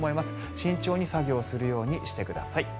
慎重に作業するようにしてください。